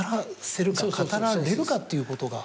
語られるかっていうことが。